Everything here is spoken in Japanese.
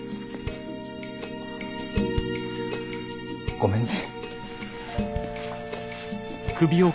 ごめんね。